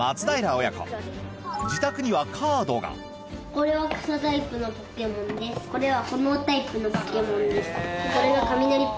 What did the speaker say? これは。これが。